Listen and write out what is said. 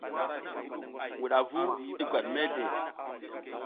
Wudavu na i gwat mezle.